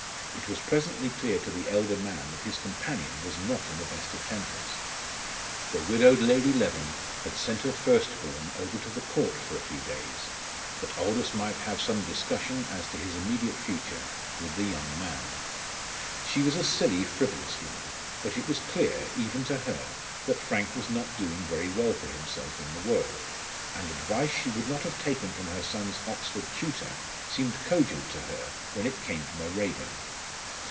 It was presently clear to the elder man that his companion was not in the best of tempers. The widowed Lady Leven had sent her firstborn over to the Court for a few days that Aldous might have some discussion as to his immediate future with the young man. She was a silly, frivolous woman; but it was clear, even to her, that Frank was not doing very well for himself in the world; and advice she would not have taken from her son's Oxford tutor seemed cogent to her when it came from a Raeburn.